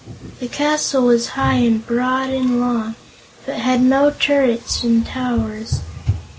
The castle was high and broad and long, but had no turrets and towers.